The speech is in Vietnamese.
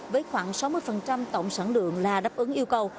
với khoảng sáu mươi tổng sản lượng là đáp ứng yêu cầu